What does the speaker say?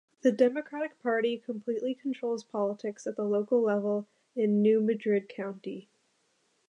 The Democratic Party completely controls politics at the local level in New Madrid County.